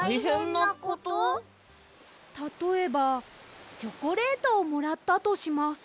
たとえばチョコレートをもらったとします。